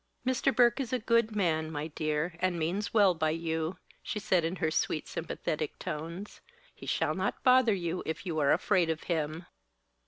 "Mr. Burke is a good man, my dear, and means well by you," she said in her sweet, sympathetic tones. "He shall not bother you if you are afraid of him."